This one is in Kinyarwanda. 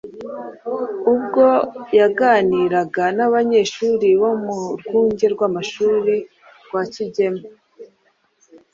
Ubwo yaganiraga n’abanyeshuri bo mu rwunge rw’amashuri rwa Kigeme